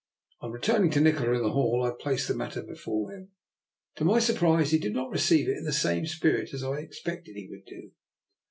On returning to Nikola in the hall, I placed the matter before him. To my surprise, he did not receive it in the same spirit as I had expected he would do.